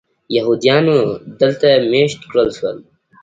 یهودیانو دلته مېشت کړل شول.